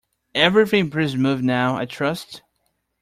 Everything pretty smooth now, I trust?